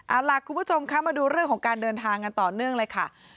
เอาล่ะคุณผู้ชมคะมาดูเรื่องของการเดินทางกันต่อเนื่องเลยค่ะ